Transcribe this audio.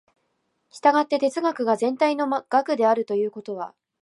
従って哲学が全体の学であるということは、